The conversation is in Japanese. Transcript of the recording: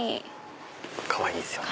かわいいですよね。